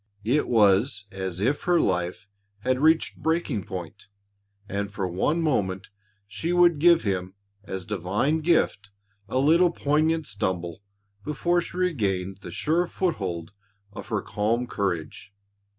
It was as if her life had reached breaking point and for one moment she would give him as divine gift a little poignant stumble before she regained the sure foothold of her calm courage.